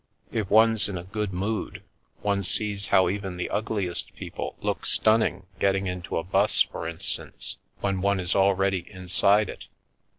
If one's in a good mood, one sees how even the ugliest people look stunning, get ting into a T)us, for instance, when one is already inside it.